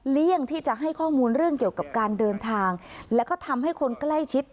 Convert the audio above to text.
เลี่ยงที่จะให้ข้อมูลเรื่องเกี่ยวกับการเดินทางแล้วก็ทำให้คนใกล้ชิด